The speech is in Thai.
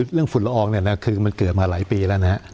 เรื่องฝุ่นละออกมันเกิดมาหลายปีแล้วนะครับ